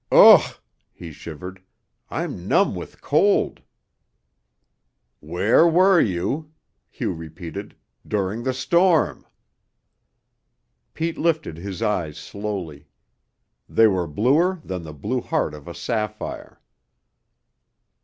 "Ugh!" he shivered, "I'm numb with cold." "Where were you," Hugh repeated, "during the storm?" Pete lifted his eyes slowly. They were bluer than the blue heart of a sapphire.